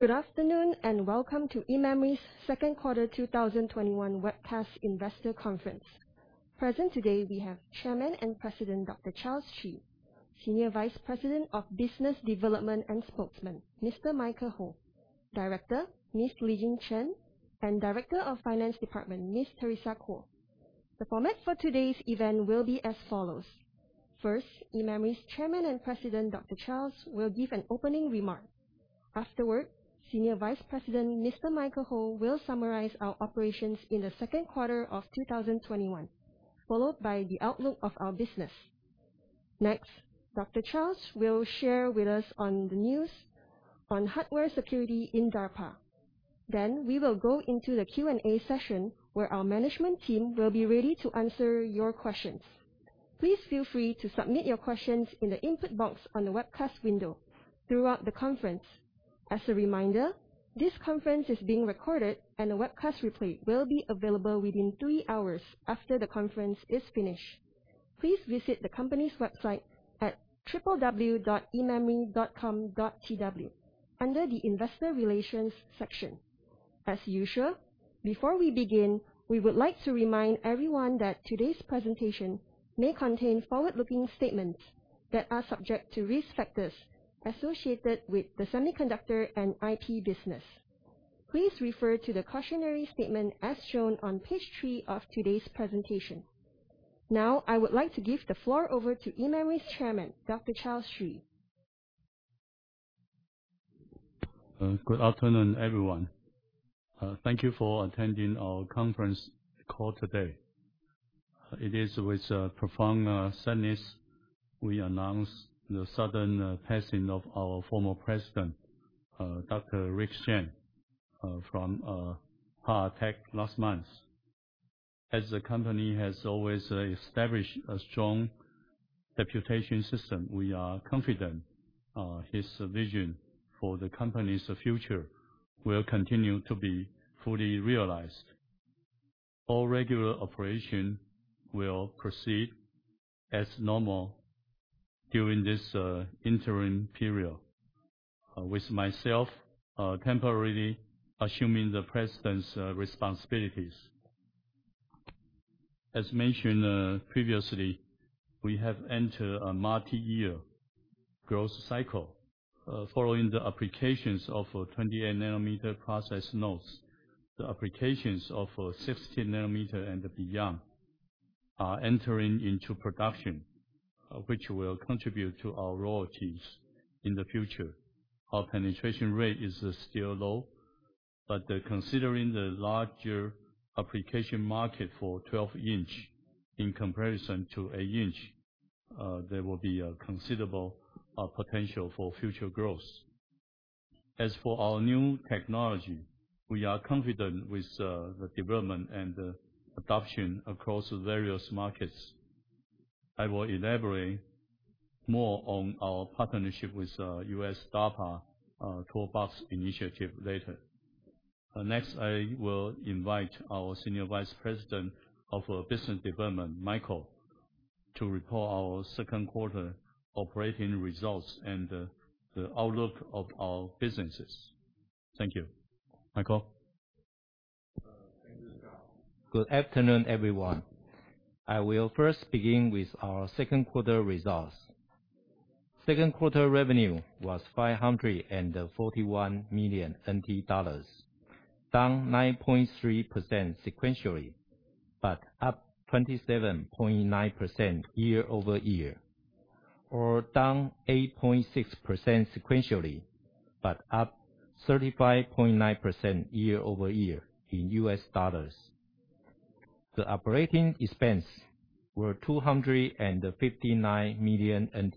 Good afternoon, welcome to eMemory's Second Quarter 2021 Webcast Investor Conference. Present today we have Chairman and President, Dr. Charles Hsu; Senior Vice President of Business Development and Spokesman, Mr. Michael Ho; Director, Ms. Li-Jeng Chen; and Director of Finance Department, Ms. Teresa Ku. The format for today's event will be as follows. First, eMemory's Chairman and President, Dr. Charles, will give an opening remark. Afterward, Senior Vice President, Mr. Michael Ho, will summarize our operations in the second quarter of 2021, followed by the outlook of our business. Next, Dr. Charles will share with us on the news on hardware security in DARPA. We will go into the Q&A session, where our management team will be ready to answer your questions. Please feel free to submit your questions in the input box on the webcast window throughout the conference. As a reminder, this conference is being recorded and a webcast replay will be available within three hours after the conference is finished. Please visit the company's website at www.ememory.com.tw under the investor relations section. As usual, before we begin, we would like to remind everyone that today's presentation may contain forward-looking statements that are subject to risk factors associated with the semiconductor and IP business. Please refer to the cautionary statement as shown on page three of today's presentation. I would like to give the floor over to eMemory's Chairman, Dr. Charles Hsu. Good afternoon, everyone. Thank you for attending our conference call today. It is with profound sadness we announce the sudden passing of our former President, Dr. Rick Shen, from heart attack last month. As the company has always established a strong deputation system, we are confident his vision for the company's future will continue to be fully realized. All regular operation will proceed as normal during this interim period, with myself temporarily assuming the President's responsibilities. As mentioned previously, we have entered a multiyear growth cycle, following the applications of 28-nanometer process nodes. The applications of 16-nanometer and beyond are entering into production, which will contribute to our royalties in the future. Our penetration rate is still low, but considering the larger application market for 12-inch in comparison to eight-inch, there will be a considerable potential for future growth. As for our new technology, we are confident with the development and adoption across the various markets. I will elaborate more on our partnership with U.S. DARPA Toolbox initiative later. Next, I will invite our Senior Vice President of Business Development, Michael, to report our second quarter operating results and the outlook of our businesses. Thank you. Michael? Good afternoon, everyone. I will first begin with our second quarter results. Second quarter revenue was NTD 541 million, down 9.3% sequentially, but up 27.9% year-over-year. Down 8.6% sequentially, but up 35.9% year-over-year in U.S. dollars. The operating expense were NTD 259 million,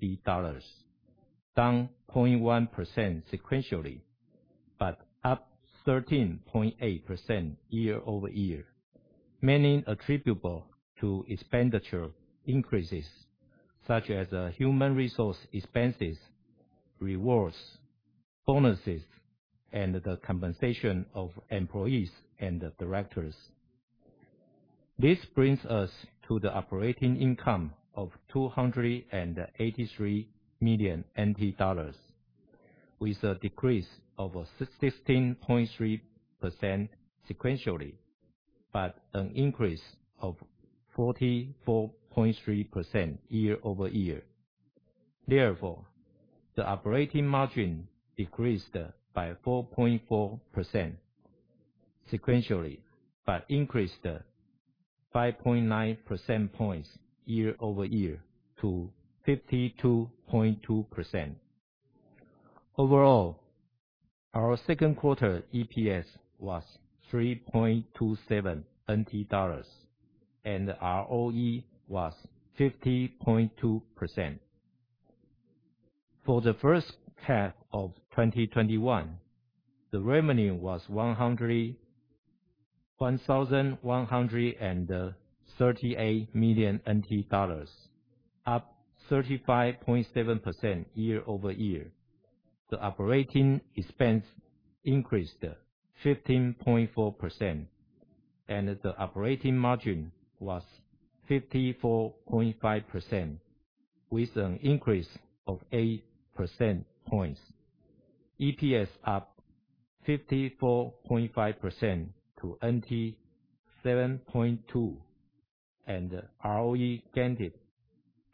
down 0.1% sequentially, but up 13.8% year-over-year, mainly attributable to expenditure increases such as human resource expenses, rewards, bonuses, and the compensation of employees and directors. This brings us to the operating income of NTD 283 million, with a decrease of 16.3% sequentially, but an increase of 44.3% year-over-year. The operating margin decreased by 4.4% sequentially, but increased 5.9% points year-over-year to 52.2%. Overall, our second quarter EPS was NTD 3.27, and ROE was 50.2%. For the first half of 2021, the revenue was NTD 1,138 million, up 35.7% year-over-year. The operating expense increased 15.4%. The operating margin was 54.5%, with an increase of 8 percentage points. EPS up 54.5% to NTD 7.2, and ROE gained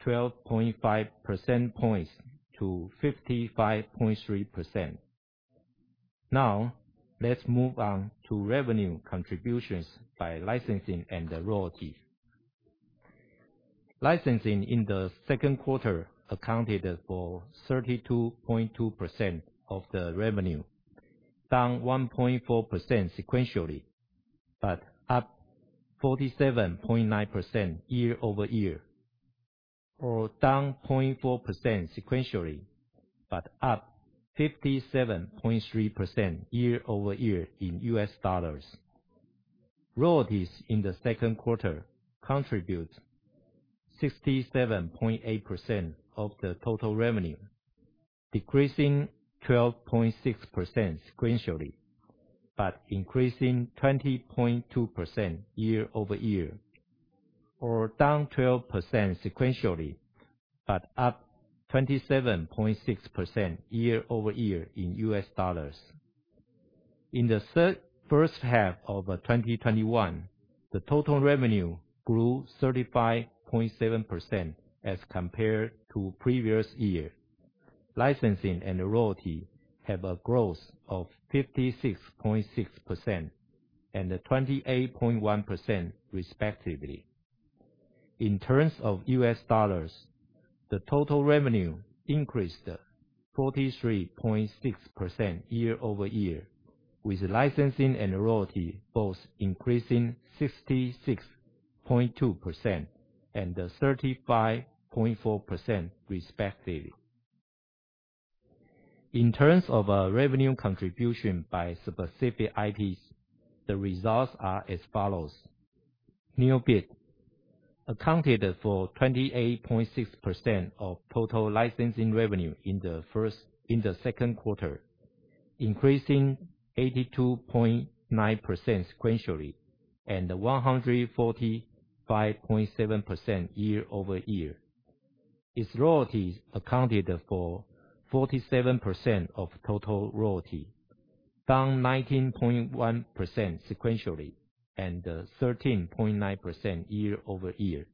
12.5 percentage points to 55.3%. Let's move on to revenue contributions by licensing and royalty. Licensing in the second quarter accounted for 32.2% of the revenue, down 1.4% sequentially, but up 47.9% year-over-year, or down 0.4% sequentially, but up 57.3% year-over-year in U.S. dollars. Royalties in the second quarter contribute 67.8% of the total revenue, decreasing 12.6% sequentially, but increasing 20.2% year-over-year. Down 12% sequentially, but up 27.6% year-over-year in U.S. dollars. In the first half of 2021, the total revenue grew 35.7% as compared to previous year. Licensing and royalty have a growth of 56.6% and 28.1% respectively. In terms of U.S. dollars, the total revenue increased 43.6% year-over-year, with licensing and royalty both increasing 66.2% and 35.4% respectively. In terms of revenue contribution by specific IPs, the results are as follows. NeoBit accounted for 28.6% of total licensing revenue in the second quarter, increasing 82.9% sequentially and 145.7% year-over-year. Its royalties accounted for 47% of total royalty, down 19.1% sequentially and 13.9% year-over-year,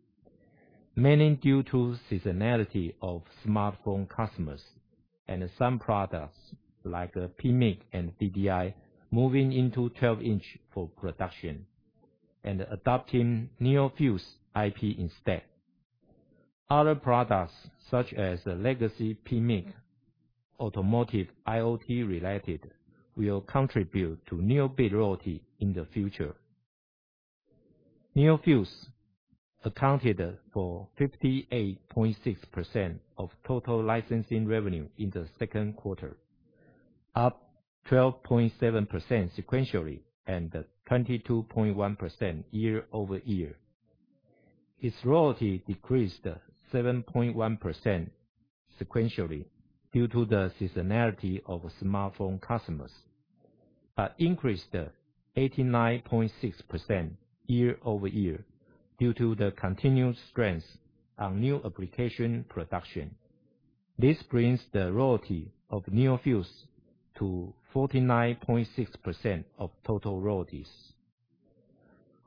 mainly due to seasonality of smartphone customers and some products like PMIC and DDI moving into 12-inch for production and adopting NeoFuse IP instead. Other products such as legacy PMIC, automotive IoT related, will contribute to NeoBit royalty in the future. NeoFuse accounted for 58.6% of total licensing revenue in the second quarter, up 12.7% sequentially and 22.1% year-over-year. Its royalty decreased 7.1% sequentially due to the seasonality of smartphone customers, but increased 89.6% year-over-year due to the continued strength on new application production. This brings the royalty of NeoFuse to 49.6% of total royalties.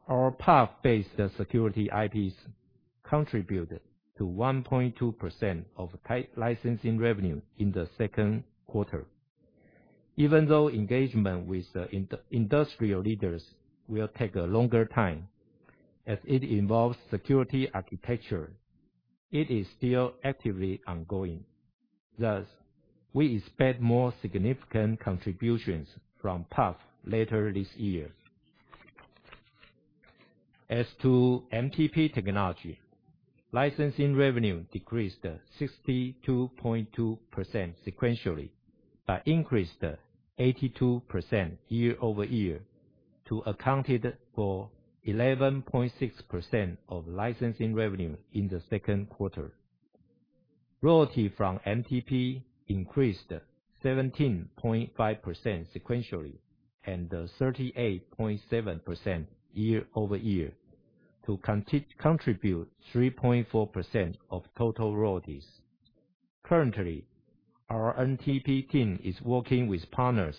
Our PUF-based security IPs contributed to 1.2% of licensing revenue in the second quarter. Even though engagement with the industrial leaders will take a longer time, as it involves security architecture, it is still actively ongoing. We expect more significant contributions from PUF later this year. As to MTP technology, licensing revenue decreased 62.2% sequentially, but increased 82% year-over-year to account for 11.6% of licensing revenue in the second quarter. Royalty from MTP increased 17.5% sequentially and 38.7% year-over-year to contribute 3.4% of total royalties. Currently, our MTP team is working with partners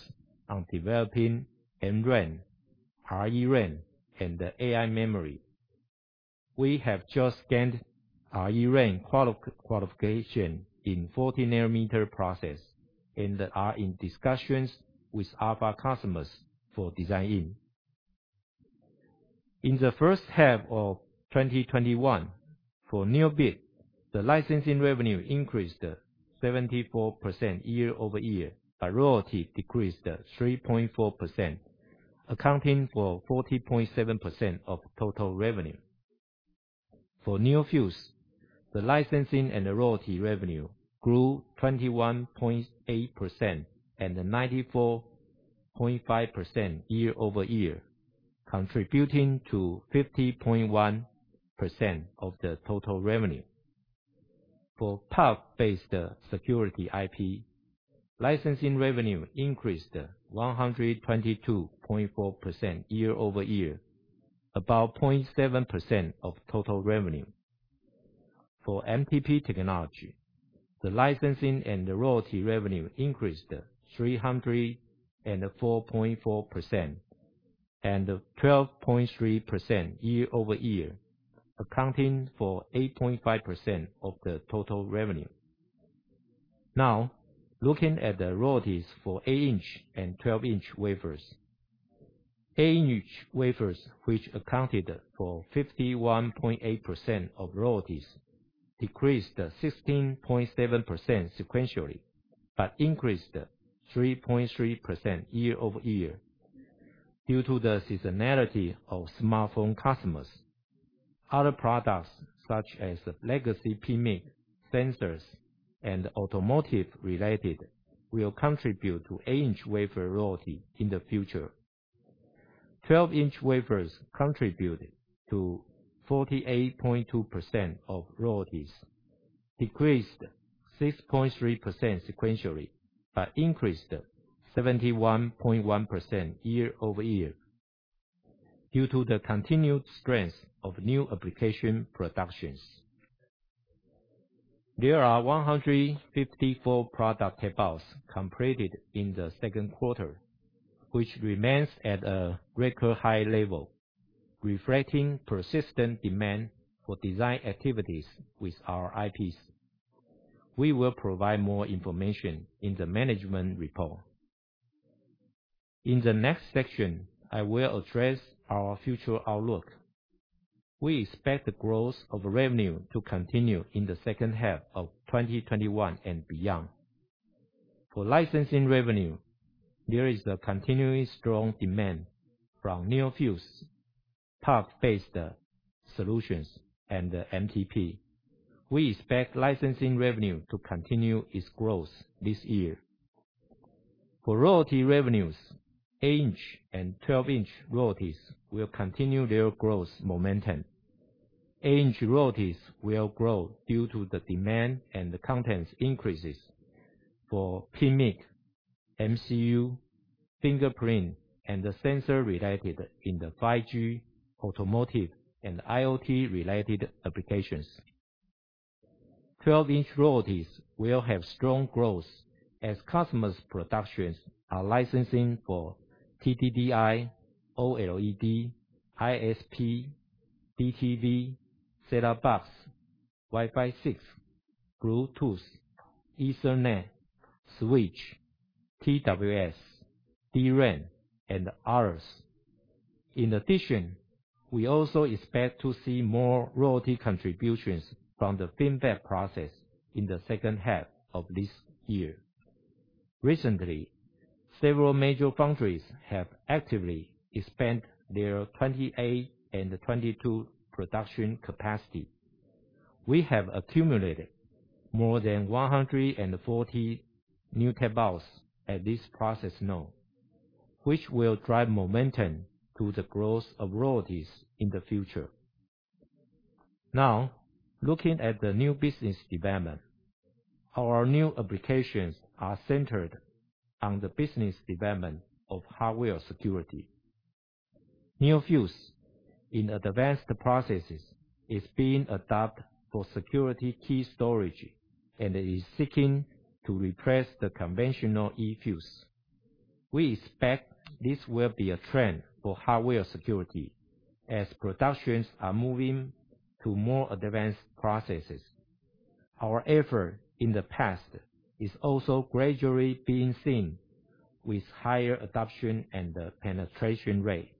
on developing MRAM, ReRAM, and AI memory. We have just gained ReRAM qualification in 14-nanometer process and are in discussions with other customers for design in. In the first half of 2021, for NeoBit, the licensing revenue increased 74% year-over-year, but royalty decreased 3.4%, accounting for 40.7% of total revenue. For NeoFuse, the licensing and the royalty revenue grew 21.8% and 94.5% year-over-year, contributing to 50.1% of the total revenue. For PUF-based security IP, licensing revenue increased 122.4% year-over-year, about 0.7% of total revenue. For MTP technology, the licensing and the royalty revenue increased 304.4% and 12.3% year-over-year, accounting for 8.5% of the total revenue. Now, looking at the royalties for eight-inch and 12-inch wafers. Eight-inch wafers, which accounted for 51.8% of royalties, decreased 16.7% sequentially, but increased 3.3% year-over-year due to the seasonality of smartphone customers. Other products such as legacy PMIC, sensors, and automotive-related will contribute to eight-inch wafer royalty in the future. 12-inch wafers contributed to 48.2% of royalties, decreased 6.3% sequentially, increased 71.1% year-over-year due to the continued strength of new application productions. There are 154 product tape-outs completed in the second quarter, which remains at a record high level, reflecting persistent demand for design activities with our IPs. We will provide more information in the management report. In the next section, I will address our future outlook. We expect the growth of revenue to continue in the second half of 2021 and beyond. For licensing revenue, there is a continually strong demand from new NeoFuse, PUF-based solutions, and the MTP. We expect licensing revenue to continue its growth this year. For royalty revenues, eight-inch and 12-inch royalties will continue their growth momentum. Eight-inch royalties will grow due to the demand and the contents increases for PMIC, MCU, fingerprint, and the sensor related in the 5G, automotive, and IoT related applications. 12-inch royalties will have strong growth as customers' productions are licensing for TDDI, OLED, ISP, DTV, set-top box, Wi-Fi 6, Bluetooth, Ethernet, switch, TWS, DRAM, and others. We also expect to see more royalty contributions from the FinFET process in the second half of this year. Recently, several major foundries have actively expanded their 28 and 22 production capacity. We have accumulated more than 140 New Tape-Outs at this process node, which will drive momentum to the growth of royalties in the future. Looking at the new business development. Our new applications are centered on the business development of hardware security. NeoFuse in advanced processes is being adopted for security key storage and is seeking to replace the conventional eFuse. We expect this will be a trend for hardware security as productions are moving to more advanced processes. Our effort in the past is also gradually being seen with higher adoption and penetration rate.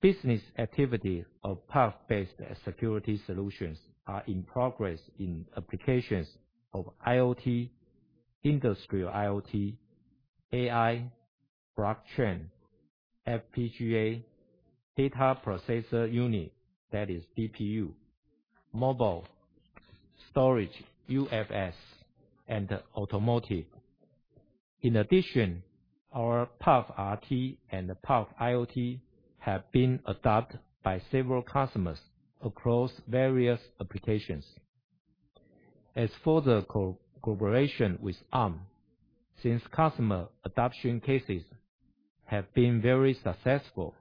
Business activity of PUF-based security solutions are in progress in applications of IoT, industrial IoT, AI, blockchain, FPGA, data processor unit, that is DPU, mobile, storage, UFS, and automotive. In addition, our PUFrt and PUFiot have been adopted by several customers across various applications. As for the collaboration with Arm, since customer adoption cases have been very successful,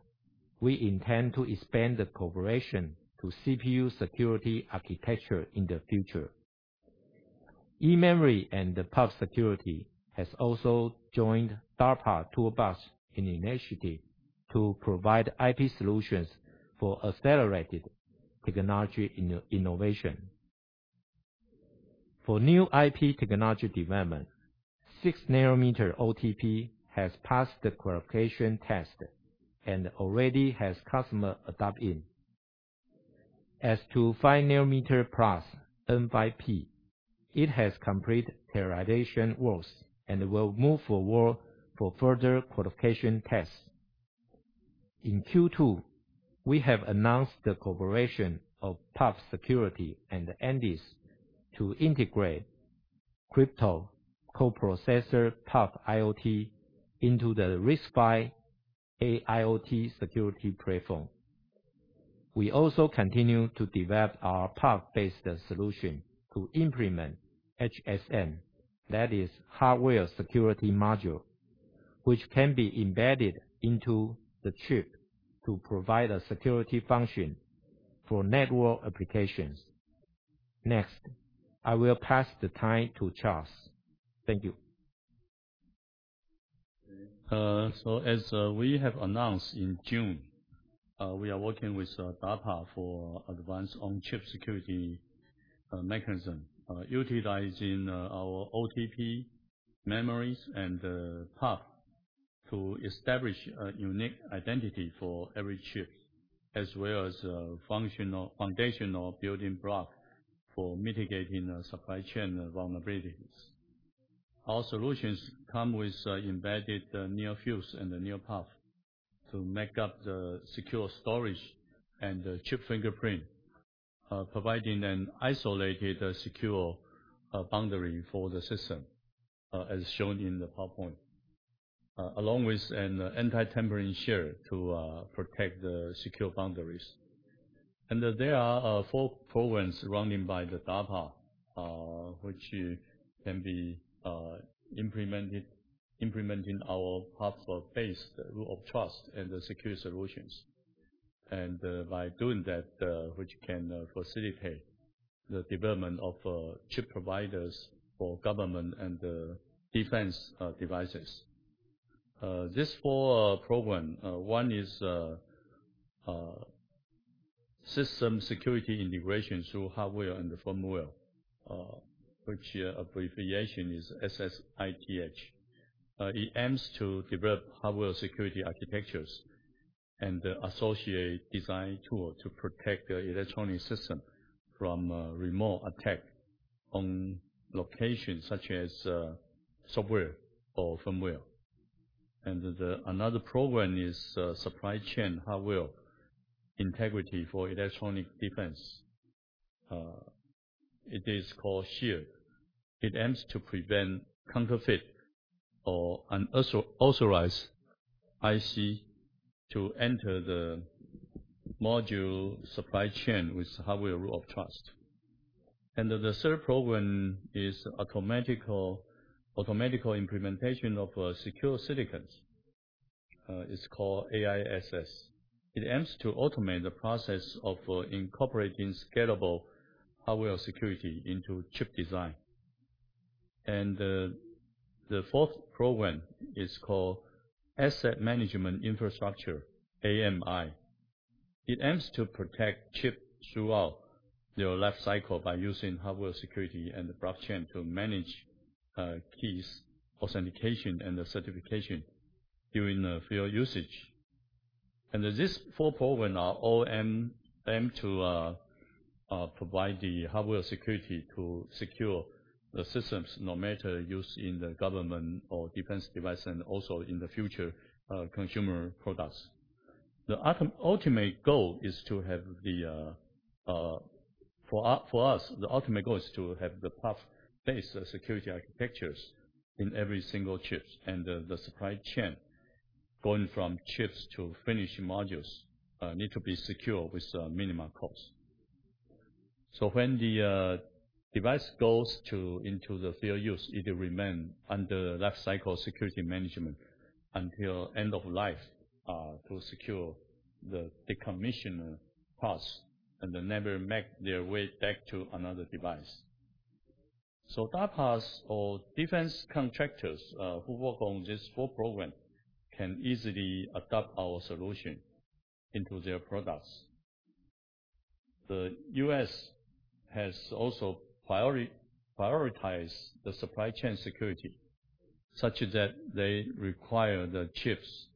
we intend to expand the collaboration to CPU security architecture in the future. eMemory and PUFsecurity has also joined DARPA Toolbox initiative to provide IP solutions for accelerated technology innovation. For new IP technology development, 6-nanometer OTP has passed the qualification test and already has customer adopt-in. As to 5-nanometer plus N5P, it has completed characterization works and will move forward for further qualification tests. In Q2, we have announced the cooperation of PUFsecurity and Andes to integrate Crypto co-processor PUFiot into the RISC-V AIoT security platform. We also continue to develop our PUF-based solution to implement HSM, that is Hardware Security Module, which can be embedded into the chip to provide a security function for network applications. Next, I will pass the time to Charles. Thank you. As we have announced in June, we are working with DARPA for advanced on-chip security mechanism, utilizing our OTP memories and PUF to establish a unique identity for every chip, as well as foundational building block for mitigating supply chain vulnerabilities. Our solutions come with embedded NeoFuse and the NeoPUF to make up the secure storage and the chip fingerprint, providing an isolated, secure boundary for the system, as shown in the PowerPoint, along with an anti-tampering SHIELD to protect the secure boundaries. There are four programs running by the DARPA, which can be implementing our PUF-based root of trust and the secure solutions. By doing that, which can facilitate the development of chip providers for government and defense devices. These four programs, one is System Security Integration through Hardware and Firmware, which abbreviation is SSITH. It aims to develop hardware security architectures and associate design tool to protect the electronic system from remote attack on locations such as software or firmware. Another program is Supply Chain Hardware Integrity for Electronic Defense. It is called SHIELD. It aims to prevent counterfeit or unauthorized IC to enter the module supply chain with hardware root-of-trust. The third program is Automatical Implementation of Secure Silicons. It's called AISS. It aims to automate the process of incorporating scalable hardware security into chip design. The fourth program is called Asset Management Infrastructure, AMI. It aims to protect chip throughout their lifecycle by using hardware security and the blockchain to manage keys, authentication, and the certification during field usage. These four programs all aim to provide the hardware security to secure the systems, no matter used in the government or defense device, and also in the future consumer products. For us, the ultimate goal is to have the PUF-based security architectures in every single chip, and the supply chain, going from chips to finished modules, need to be secure with minimal cost. When the device goes into the field use, it will remain under lifecycle security management until end of life to secure the decommission path and never make their way back to another device. DARPA's defense contractors who work on this full program can easily adopt our solution into their products. The U.S. has also prioritized the supply chain security such that they require the chips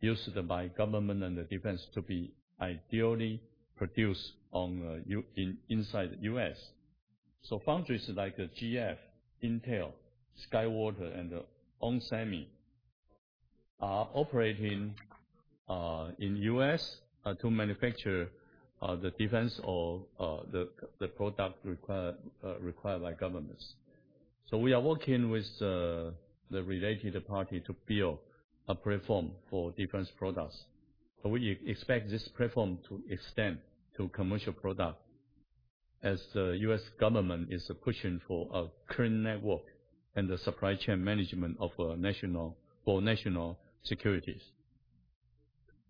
used by government and the defense to be ideally produced inside the U.S. Foundries like GF, Intel, SkyWater, and onsemi are operating in U.S. to manufacture the defense or the product required by governments. We are working with the related party to build a platform for defense products. We expect this platform to extend to commercial product as the U.S. government is pushing for a clean network and the supply chain management for national security.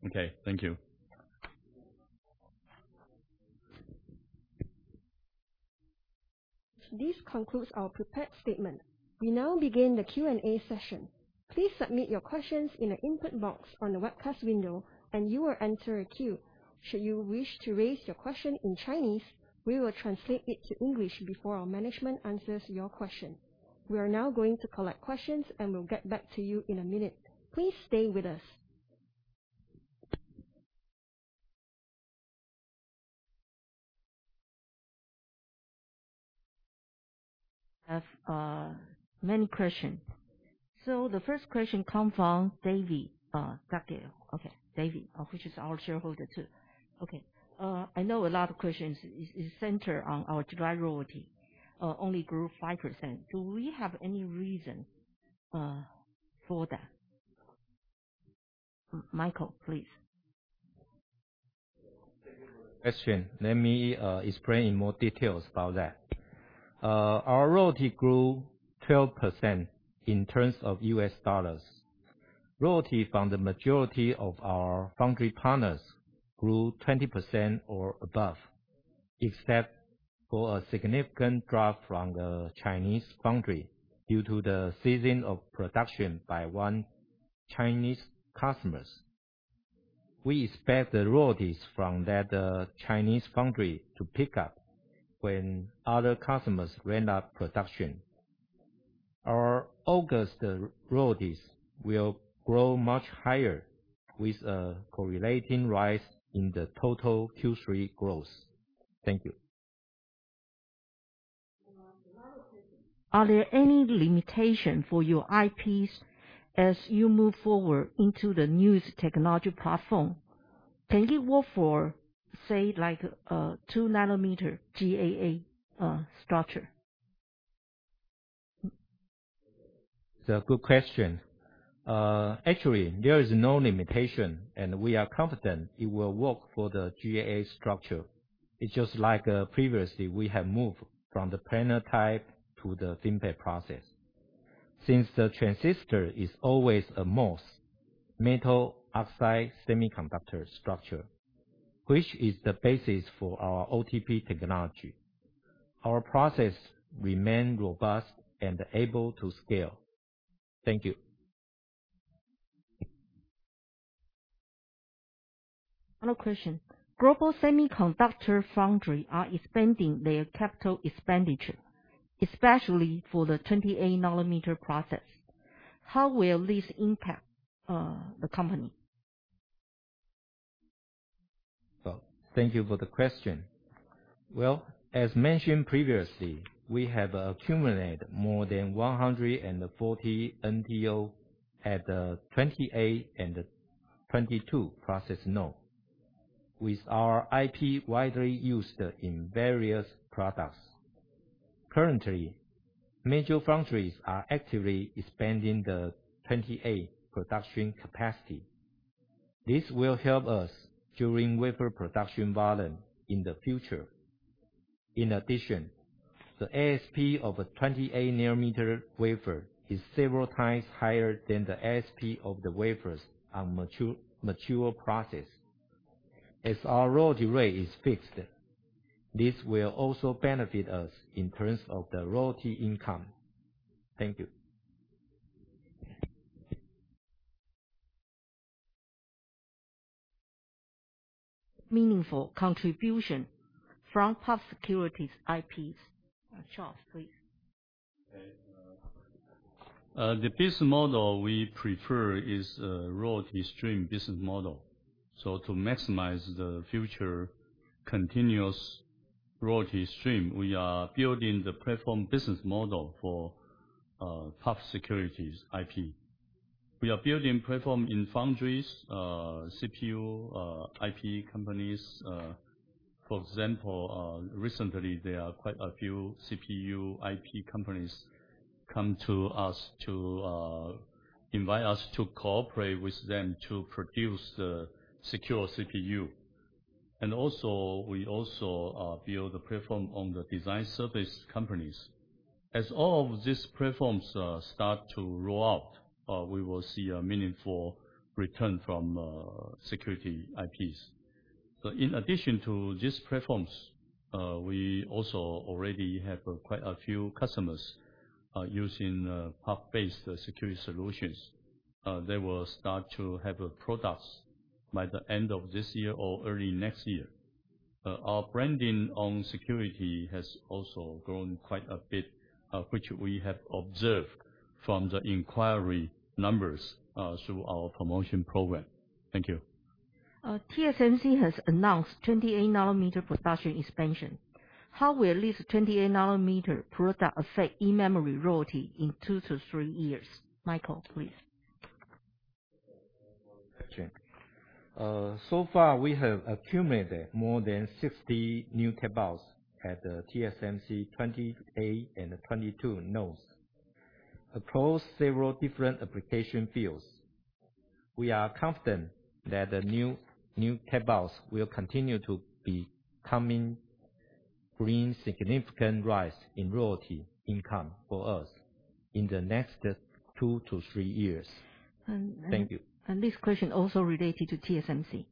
Okay, thank you. This concludes our prepared statement. We now begin the Q&A session. Please submit your questions in the input box on the webcast window, and you will enter a queue. Should you wish to raise your question in Chinese, we will translate it to English before our management answers your question. We are now going to collect questions, and we'll get back to you in a minute. Please stay with us. We have many questions. The first question come from Davey. Davey, which is our shareholder too. Okay. I know a lot of questions is centered on our drive royalty only grew 5%. Do we have any reason for that? Michael, please. Question. Let me explain in more details about that. Our royalty grew 12% in terms of U.S. dollars. Royalty from the majority of our foundry partners grew 20% or above, except for a significant drop from the Chinese foundry due to the ceasing of production by one Chinese customers. We expect the royalties from that Chinese foundry to pick up when other customers ramp up production. Our August royalties will grow much higher, with a correlating rise in the total Q3 growth. Thank you. Are there any limitation for your IPs as you move forward into the newest technology platform? Can it work for, say, like 2-nanometer GAA structure? It's a good question. Actually, there is no limitation, and we are confident it will work for the GAA structure. It's just like previously, we have moved from the planar type to the FinFET process. Since the transistor is always a MOS, metal oxide semiconductor structure, which is the basis for our OTP technology, our process remain robust and able to scale. Thank you. Another question. Global semiconductor foundries are expanding their capital expenditure, especially for the 28-nanometer process. How will this impact the company? Well, thank you for the question. Well, as mentioned previously, we have accumulated more than 140 NTO at the 28 and 22 process node, with our IP widely used in various products. Currently, major foundries are actively expanding the 28 production capacity. This will help us during wafer production volume in the future. In addition, the ASP of a 28-nanometer wafer is several times higher than the ASP of the wafers on mature process. As our royalty rate is fixed, this will also benefit us in terms of the royalty income. Thank you. Meaningful contribution from PUFsecurity's IPs. Charles, please. The business model we prefer is a royalty stream business model. To maximize the future continuous royalty stream, we are building the platform business model for PUFsecurity's IP. We are building platform in foundries, CPU IP companies. Recently, there are quite a few CPU IP companies come to us to invite us to cooperate with them to produce secure CPU. We also build the platform on the design service companies. As all of these platforms start to roll out, we will see a meaningful return from security IPs. In addition to these platforms, we also already have quite a few customers using PUF-based security solutions. They will start to have products by the end of this year or early next year. Our branding on security has also grown quite a bit, which we have observed from the inquiry numbers through our promotion program. Thank you. TSMC has announced 28-nanometer production expansion. How will this 28-nanometer product affect eMemory royalty in two to three years? Michael, please. So far, we have accumulated more than 60 new tape-outs at the TSMC 28 and 22 nodes across several different application fields. We are confident that the new tape-outs will continue to be coming, bringing significant rise in royalty income for us in the next two to three years. Thank you. This question also related to TSMC.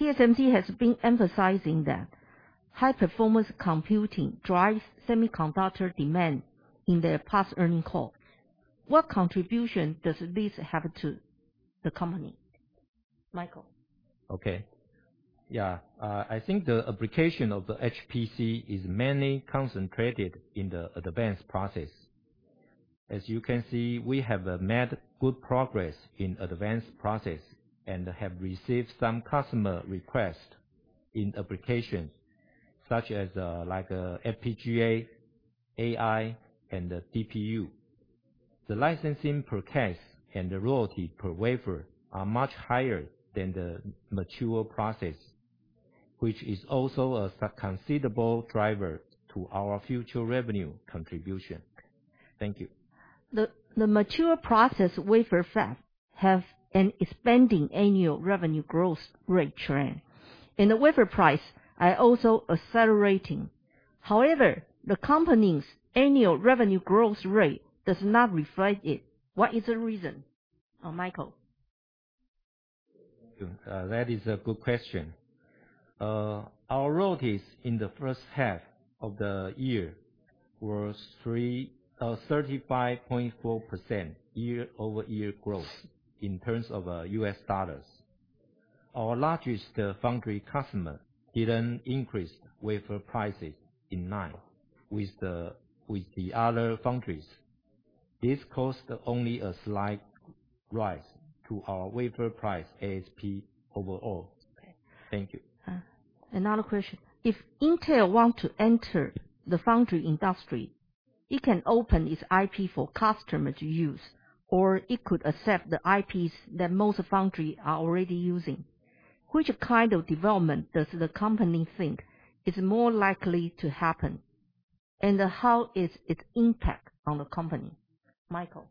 TSMC has been emphasizing that high performance computing drives semiconductor demand in their past earnings call. What contribution does this have to the company? Michael. Okay. Yeah. I think the application of the HPC is mainly concentrated in the advanced process. As you can see, we have made good progress in advanced process and have received some customer requests in application, such as like FPGA, AI, and DPU. The licensing per case and the royalty per wafer are much higher than the mature process, which is also a considerable driver to our future revenue contribution. Thank you. The mature process wafer fab have an expanding annual revenue growth rate trend, and the wafer price are also accelerating. However, the company's annual revenue growth rate does not reflect it. What is the reason? Michael. That is a good question. Our royalties in the first half of the year were 35.4% year-over-year growth in terms of U.S. Dollars. Our largest foundry customer didn't increase wafer prices in line with the other foundries. This caused only a slight rise to our wafer price ASP overall. Thank you. Another question. If Intel wants to enter the foundry industry, it can open its IP for customers to use, or it could accept the IPs that most foundries are already using. Which kind of development does the company think is more likely to happen? How is its impact on the company? Michael.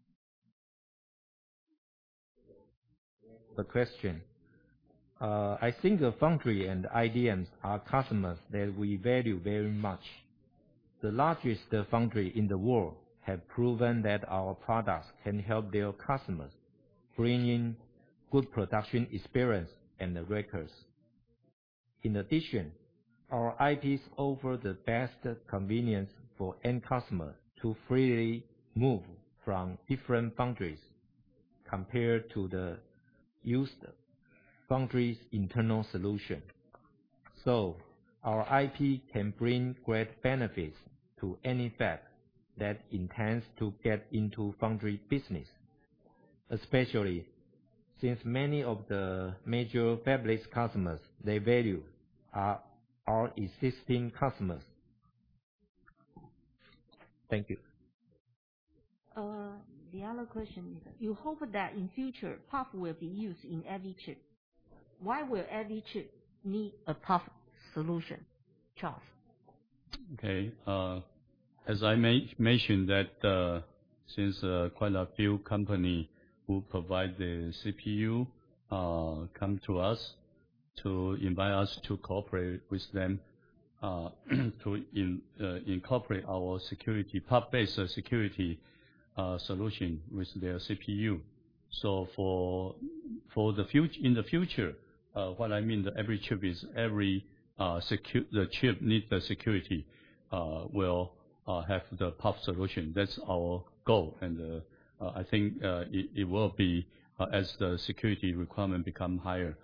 Good question. I think the foundry and IDMs are customers that we value very much. The largest foundry in the world have proven that our products can help their customers bring in good production experience and records. In addition, our IPs offer the best convenience for end customer to freely move from different foundries compared to the used foundry's internal solution. Our IP can bring great benefits to any fab that intends to get into foundry business, especially since many of the major fabless customers, their value, are our existing customers. Thank you. The other question is, you hope that in future, PUF will be used in every chip. Why will every chip need a PUF solution? Charles Hsu. Okay. As I mentioned that since quite a few companies who provide the CPU come to us to invite us to cooperate with them to incorporate our PUF-based security solution with their CPU. In the future, what I mean that every chip needs security will have the PUF solution. That's our goal, and I think as the security requirement become higher,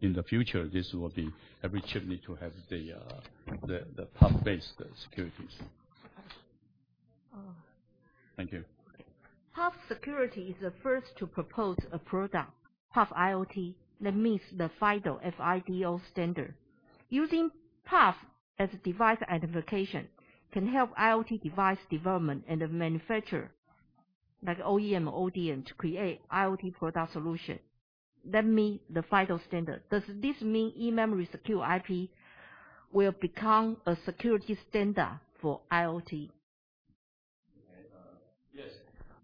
in the future, every chip needs to have the PUF-based security. Thank you. PUFsecurity is the first to propose a product, PUFiot, that meets the FIDO, F-I-D-O, standard. Using PUF as device identification can help IoT device development and the manufacturer, like OEM, ODM, to create IoT product solution that meet the FIDO standard. Does this mean eMemory secure IP will become a security standard for IoT?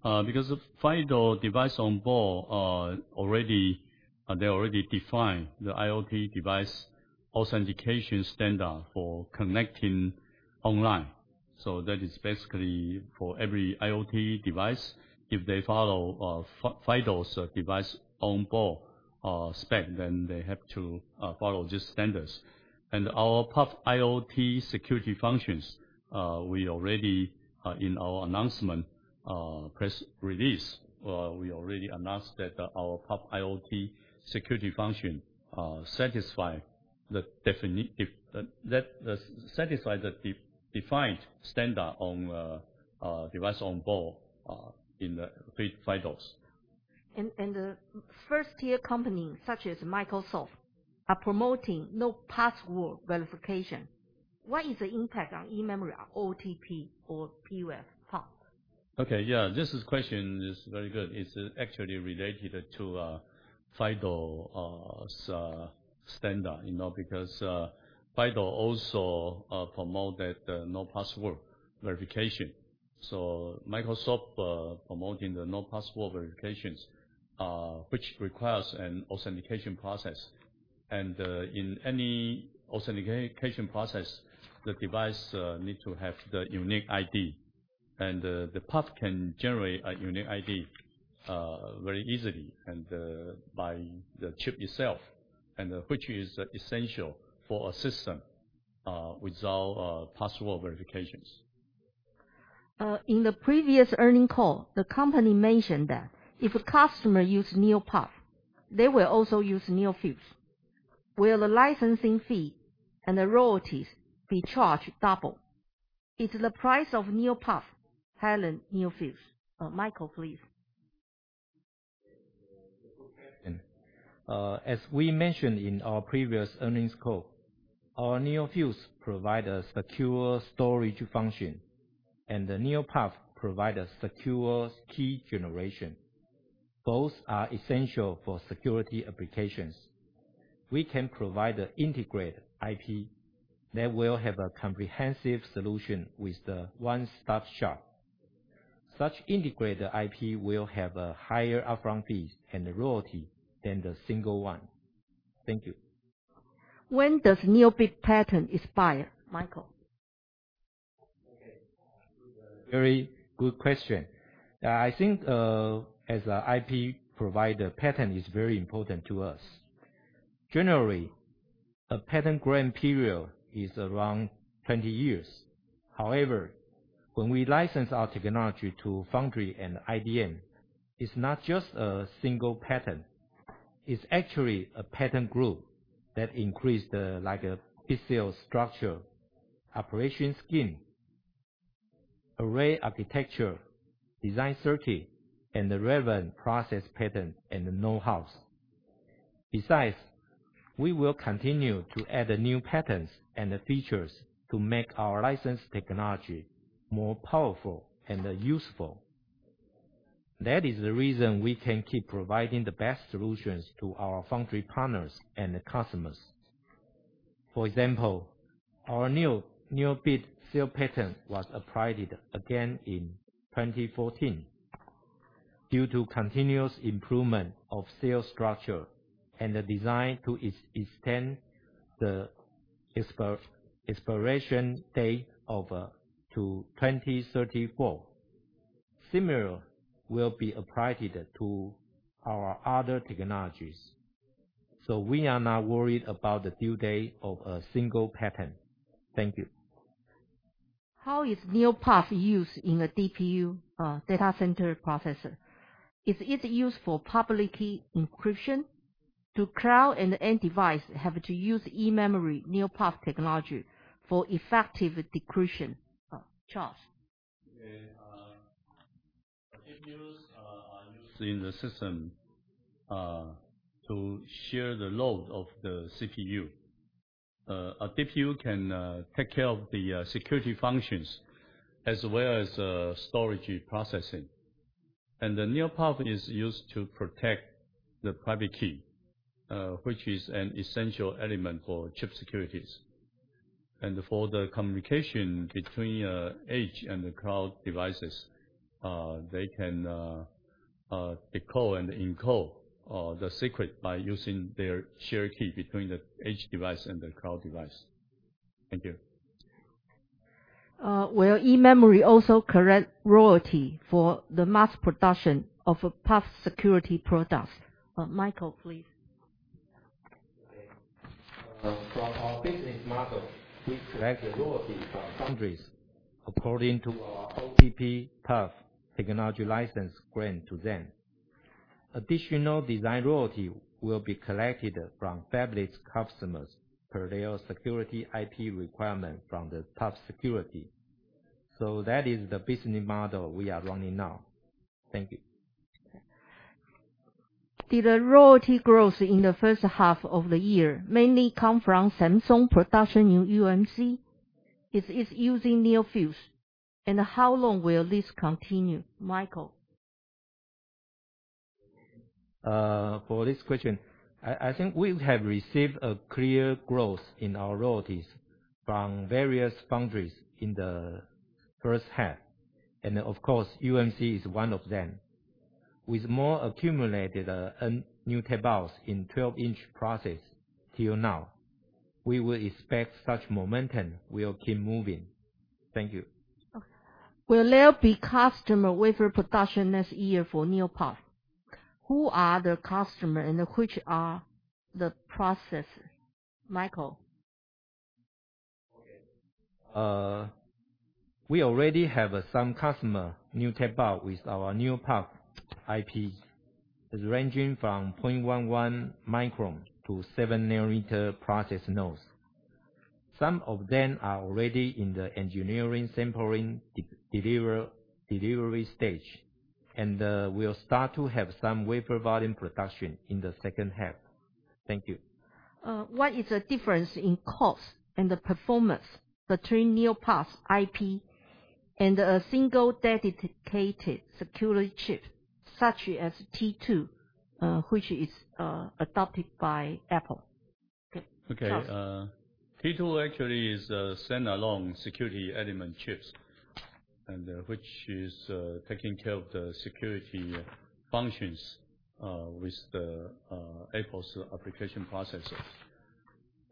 Yes, because FIDO Device Onboard, they already defined the IoT device authentication standard for connecting online. That is basically for every IoT device, if they follow FIDO's Device Onboard spec, then they have to follow these standards. Our PUF IoT security functions, in our announcement press release, we already announced that our PUF IoT security function satisfies the defined standard on Device Onboard in the FIDO's. The first-tier companies, such as Microsoft, are promoting no password verification. What is the impact on eMemory OTP or PUF, Charles? Okay, yeah, this question is very good. It's actually related to FIDO's standard, because FIDO also promoted no password verification. Microsoft promoting the no password verifications, which requires an authentication process. In any authentication process, the device needs to have the unique ID. The PUF can generate a unique ID very easily and by the chip itself, and which is essential for a system without password verifications. In the previous earnings call, the company mentioned that if a customer uses NeoPUF, they will also use NeoFuse. Will the licensing fee and the royalties be charged double? Is the price of NeoPUF higher than NeoFuse? Michael, please. As we mentioned in our previous earnings call, our NeoFuse provides a secure storage function, and the NeoPUF provides secure key generation. Both are essential for security applications. We can provide an integrated IP that will have a comprehensive solution with the one-stop shop. Such integrated IP will have higher upfront fees and royalty than the single one. Thank you. When does NeoBit patent expire? Michael. Okay. Very good question. I think, as an IP provider, patent is very important to us. Generally, a patent grant period is around 20 years. However, when we license our technology to foundry and IDM, it's not just a single patent. It's actually a patent group that includes the bit cell structure, operation scheme, array architecture, design circuit, and the relevant process patent and know-hows. Besides, we will continue to add new patents and features to make our licensed technology more powerful and useful. That is the reason we can keep providing the best solutions to our foundry partners and customers. For example, our new NeoBit cell patent was applied again in 2014 due to continuous improvement of cell structure and the design to extend the expiration date to 2034. Similar will be applied to our other technologies. We are not worried about the due date of a single patent. Thank you. How is NeoPUF used in a DPU, data center processor? Is it used for public key encryption? Do cloud and end device have to use eMemory NeoPUF technology for effective decryption? Charles Hsu. DPUs are used in the system to share the load of the CPU. A DPU can take care of the security functions as well as storage processing. The NeoPUF is used to protect the private key, which is an essential element for chip securities. For the communication between edge and the cloud devices, they can decode and encode the secret by using their shared key between the edge device and the cloud device. Thank you. Will eMemory also collect royalty for the mass production of PUFsecurity products? Michael, please. From our business model, we collect the royalty from foundries according to our OTP PUF technology license grant to them. Additional design royalty will be collected from fabless customers per their security IP requirement from PUFsecurity. That is the business model we are running now. Thank you. Did the royalty growth in the first half of the year mainly come from Samsung production in UMC? Is it using NeoFuse? How long will this continue? Michael. For this question, I think we have received a clear growth in our royalties from various foundries in the first half, and of course, UMC is one of them. With more accumulated new tape-outs in 12-inch process till now, we will expect such momentum will keep moving. Thank you. Okay. Will there be customer wafer production next year for NeoPUF? Who are the customers and which are the processors? Michael. Okay. We already have some customer new tape-out with our NeoPUF IPs, ranging from 0.11 micron to 7-nanometer process nodes. Some of them are already in the engineering sampling delivery stage and will start to have some wafer volume production in the second half. Thank you. What is the difference in cost and performance between NeoPUF IP and a single dedicated security chip, such as T2, which is adopted by Apple? Charles Hsu. Okay. T2 actually is a standalone security element chip, which is taking care of the security functions with the Apple's application processor.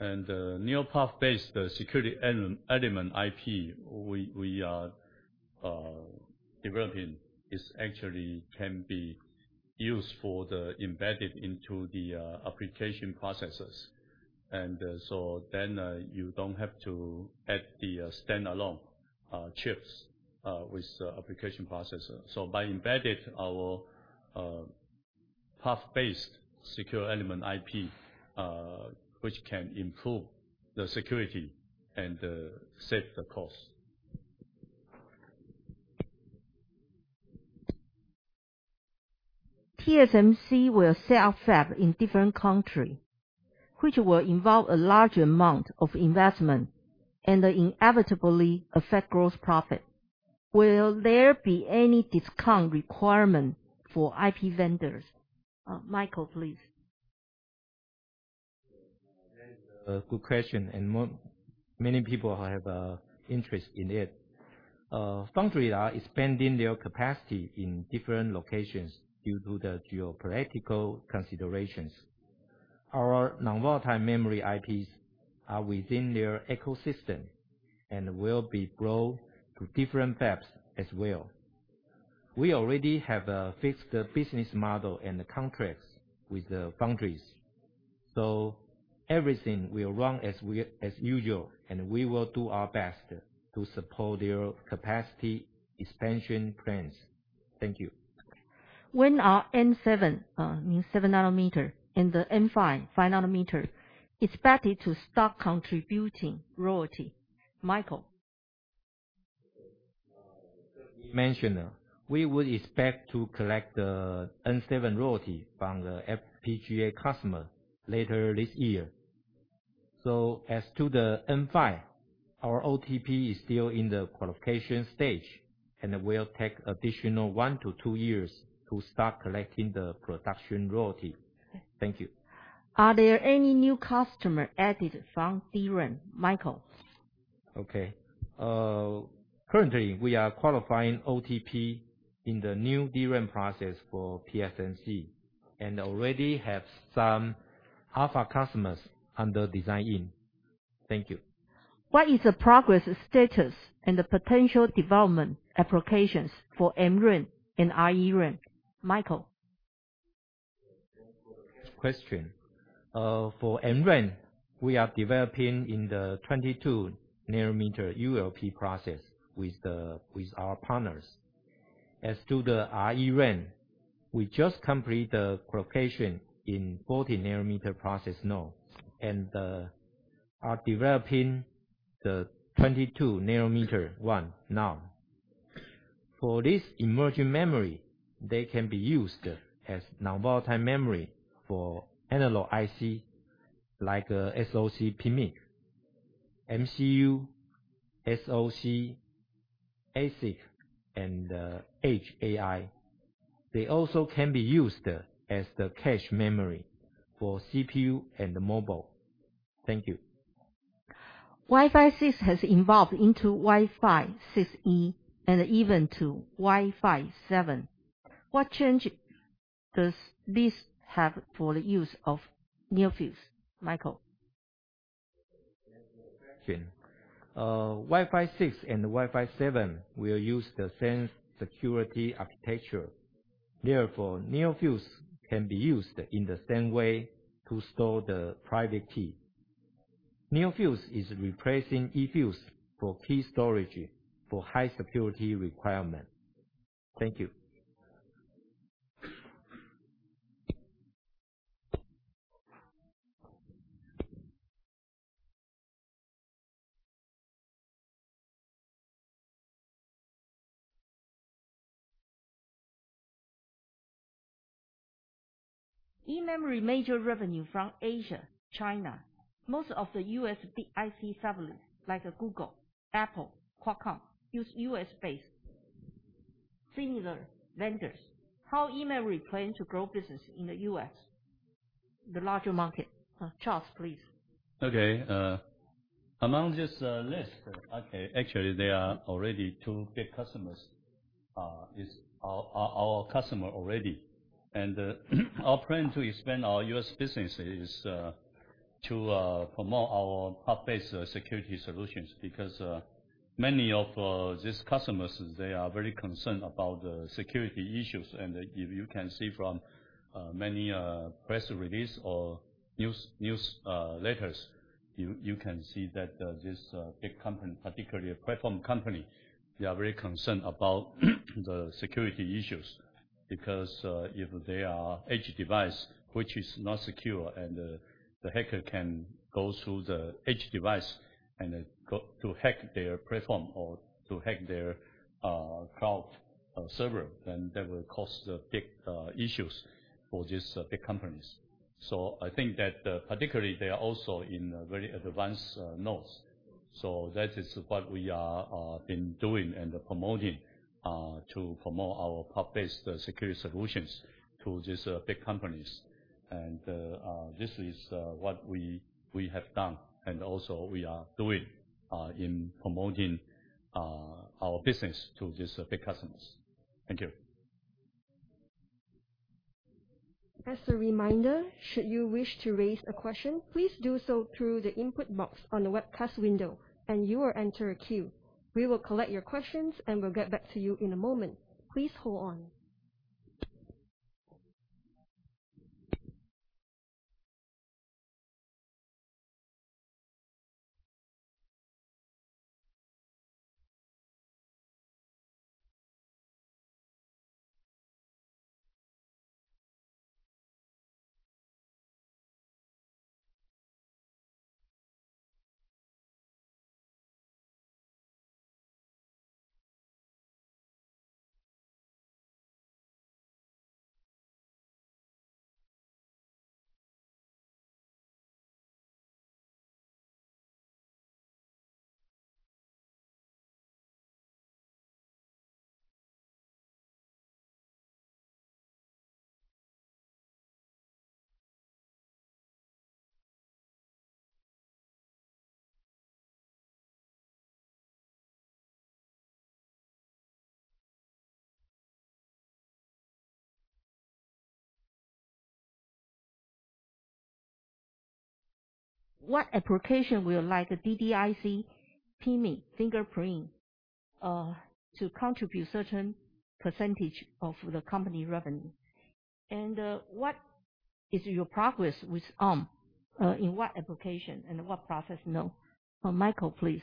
NeoPUF-based security element IP we are developing actually can be used for the embedded into the application processors. You don't have to add the standalone chips with the application processor. By embedding our PUF-based secure element IP, which can improve the security and save the cost. TSMC will set up fab in different country, which will involve a large amount of investment and inevitably affect gross profit. Will there be any discount requirement for IP vendors? Michael, please. That is a good question, and many people have an interest in it. Foundries are expanding their capacity in different locations due to the geopolitical considerations. Our non-volatile memory IPs are within their ecosystem and will be grown through different fabs as well. We already have a fixed business model and contracts with the foundries, so everything will run as usual, and we will do our best to support their capacity expansion plans. Thank you. When are N7, new 7-nanometer, and the N5, 5-nanometer, expected to start contributing royalty? Michael. As we mentioned, we would expect to collect the N7 royalty from the FPGA customer later this year. As to the N5, our OTP is still in the qualification stage and will take additional one to two years to start collecting the production royalty. Thank you. Are there any new customer added from DRAM, Michael? Okay. Currently, we are qualifying OTP in the new DRAM process for TSMC and already have some alpha customers under design in. Thank you. What is the progress status and the potential development applications for MRAM and ReRAM? Michael. Question. For MRAM, we are developing in the 22-nanometer ULP process with our partners. As to the ReRAM, we just completed the qualification in 40-nanometer process node and are developing the 22-nanometer one now. For this emerging memory, they can be used as non-volatile memory for analog IC, like SoC PMIC, MCU, SoC, ASIC, and Edge AI. They also can be used as the cache memory for CPU and mobile. Thank you. Wi-Fi 6 has evolved into Wi-Fi 6E and even to Wi-Fi 7. What change does this have for the use of NeoFuse? Michael. Question. Wi-Fi 6 and Wi-Fi 7 will use the same security architecture. NeoFuse can be used in the same way to store the private key. NeoFuse is replacing eFuse for key storage for high security requirement. Thank you. eMemory major revenue from Asia, China. Most of the U.S. big IC fabless, like Google, Apple, Qualcomm, use U.S.-based similar vendors. How eMemory plan to grow business in the U.S., the larger market? Charles, please. Okay. Among this list, actually, they are already two big customers, is our customer already. Our plan to expand our U.S. business is to promote our cloud-based security solutions, because many of these customers, they are very concerned about the security issues. If you can see from many press release or newsletters, you can see that these big company, particularly platform company, they are very concerned about the security issues. If they are edge device, which is not secure, and the hacker can go through the edge device and go to hack their platform or to hack their cloud server, that will cause big issues for these big companies. I think that particularly they are also in very advanced nodes. That is what we have been doing and promoting to promote our cloud-based security solutions to these big companies. This is what we have done and also we are doing in promoting our business to these big customers. Thank you. As a reminder, should you wish to raise a question, please do so through the input box on the webcast window, and you will enter a queue. We will collect your questions and will get back to you in a moment. Please hold on. What application will like DDIC PMIC fingerprint to contribute certain percentage of the company revenue? And what is your progress with Arm? In what application and what process node? Michael, please.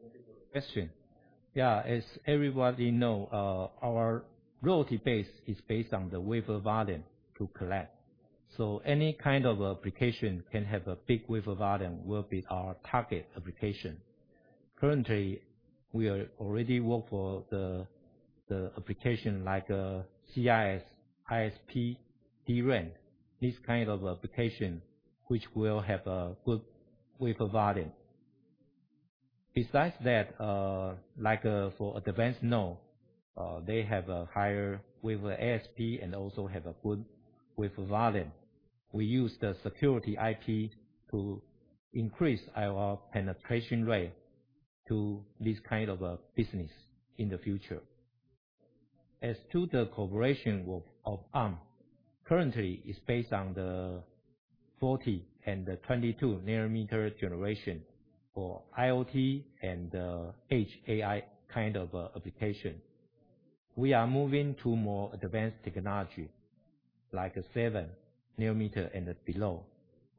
Thank you for the question. Yeah, as everybody know, our royalty base is based on the wafer volume to collect. Any kind of application can have a big wafer volume will be our target application. Currently, we already work for the application like CIS, ISP, DRAM. These kind of application, which will have a good wafer volume. Besides that, like for advanced node, they have a higher wafer ASP and also have a good wafer volume. We use the security IP to increase our penetration rate to this kind of business in the future. As to the cooperation of Arm, currently it's based on the 40-nanometer and the 22-nanometer generation for IoT and Edge AI kind of application. We are moving to more advanced technology like 7-nanometer and below.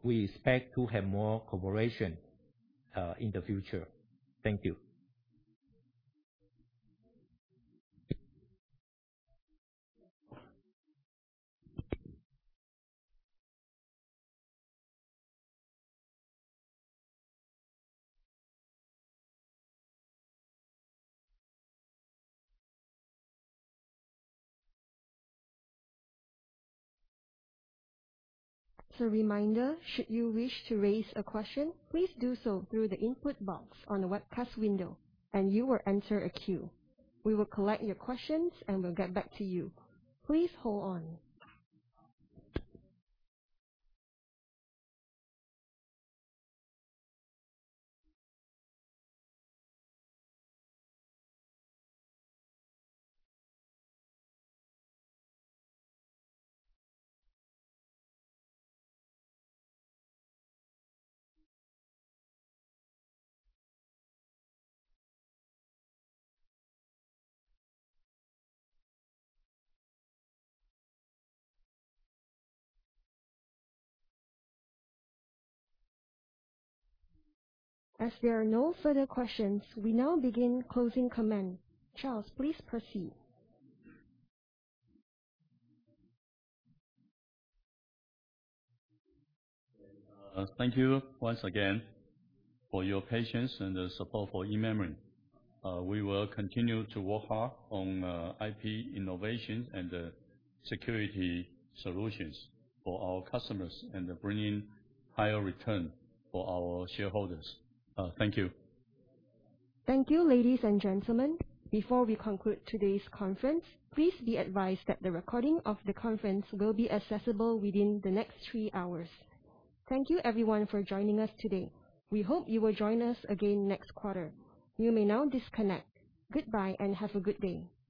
We expect to have more cooperation in the future. Thank you. As a reminder, should you wish to raise a question, please do so through the input box on the webcast window and you will enter a queue. We will collect your questions and will get back to you. Please hold on. As there are no further questions, we now begin closing comments. Charles, please proceed. Thank you once again for your patience and the support for eMemory. We will continue to work hard on IP innovation and security solutions for our customers and bringing higher return for our shareholders. Thank you. Thank you, ladies and gentlemen. Before we conclude today's conference, please be advised that the recording of the conference will be accessible within the next three hours. Thank you everyone for joining us today. We hope you will join us again next quarter. You may now disconnect. Goodbye and have a good day.